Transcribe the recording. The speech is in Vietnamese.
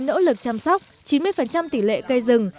nỗ lực chăm sóc chín mươi tỷ lệ cây rừng